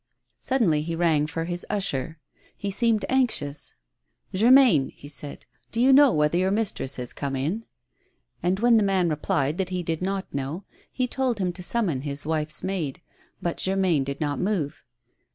Suddenly he rang for his usher. He seemed anxious. ''Germain," be said, "do you know whether your mistress has come in?" And when the man replied that he did not know, he told him to summon his wife's maid. But Germain did not move.